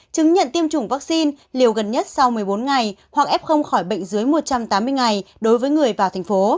chứng nhận tiêm chủng vaccine liều gần nhất sau một mươi bốn ngày hoặc f khỏi bệnh dưới một trăm tám mươi ngày đối với người vào thành phố